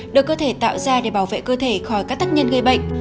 được cơ thể tạo ra để bảo vệ cơ thể khỏi các tác nhân gây bệnh